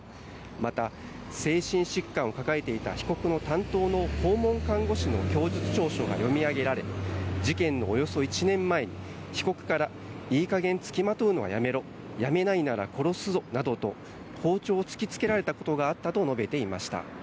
また、精神疾患を抱えていた被告の担当の訪問看護師の供述調書が読み上げられ事件のおよそ１年前に、被告からいい加減付きまとうのはやめろやめないなら殺すぞと包丁を突きつけられたことがあったと述べていました。